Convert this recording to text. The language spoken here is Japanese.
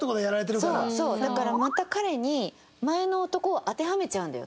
だからまた彼に前の男を当てはめちゃうんだよ